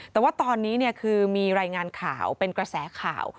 แต่ว่าตอนนี้คือมีรายงานข่าวเป็นกระแสข่าว